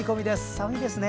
寒いですね。